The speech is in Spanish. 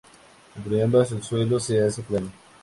Entre ambas el suelo se hace plano.